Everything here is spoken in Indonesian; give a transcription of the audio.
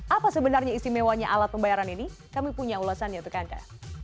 apa sebenarnya istimewanya alat pembayaran ini kami punya ulasannya untuk anda